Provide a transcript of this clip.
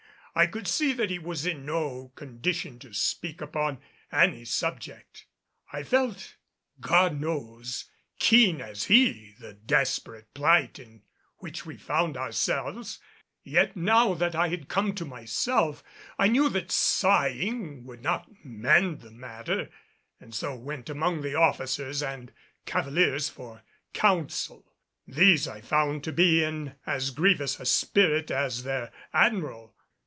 I could see that he was in no condition to speak upon any subject. I felt, God knows, keen as he the desperate plight in which we found ourselves. Yet, now that I had come to myself, I knew that sighing would not mend the matter and so went among the officers and cavaliers for counsel. These I found to be in as grievous a spirit as their Admiral.